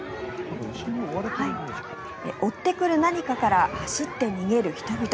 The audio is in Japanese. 追ってくる何かから走って逃げる人々。